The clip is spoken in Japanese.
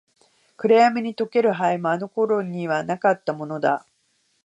暗闇に溶ける灰も、あの頃にはなかったものだ。